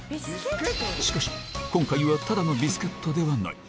しかし、今回はただのビスケットではない。